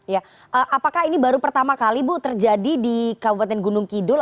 ya apakah ini baru pertama kali bu terjadi di kabupaten gunung kidul